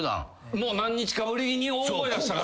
もう何日かぶりに大声出したから。